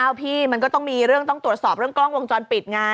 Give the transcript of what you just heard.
พี่มันก็ต้องมีเรื่องต้องตรวจสอบเรื่องกล้องวงจรปิดไง